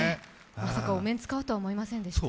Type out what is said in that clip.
まさか、お面使うとは思いませんでした。